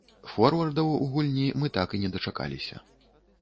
Форвардаў у гульні мы так і не дачакаліся.